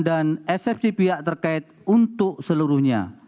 dan sfc pihak terkait untuk seluruhnya